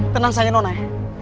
tenang saja nona ya